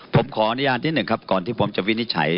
ผมขออนุญาตนิดหนึ่งครับก่อนที่ผมจะวินิจฉัย